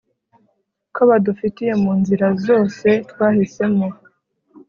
ko badufitiye munzira zose twahisemo